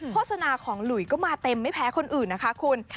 โฆษณาของหลุยก็มาเต็มไม่แพ้คนอื่นนะคะคุณ